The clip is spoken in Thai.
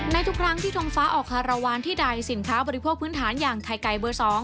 ทุกครั้งที่ทงฟ้าออกคารวาลที่ใดสินค้าบริโภคพื้นฐานอย่างไข่ไก่เบอร์๒